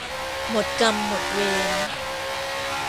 หมดกรรมหมดเวร